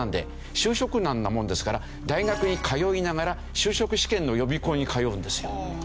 就職難なものですから大学に通いながら就職試験の予備校に通うんですよ。